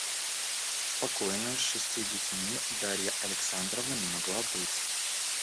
Спокойною с шестью детьми Дарья Александровна не могла быть.